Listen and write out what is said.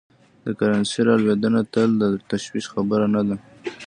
د کرنسۍ رالوېدنه تل د تشویش خبره نه ده.